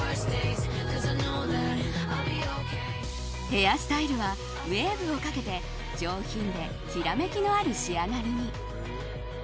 ヘアスタイルはウェーブをかけて上品できらめきのある仕上がりに。